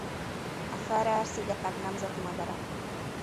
A Feröer-szigetek nemzeti madara.